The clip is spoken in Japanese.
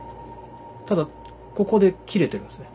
ただここで切れてますね。